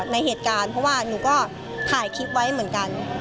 ในเหตุการณ์เพราะว่าหนูก็ถ่ายคลิปไว้เหมือนกัน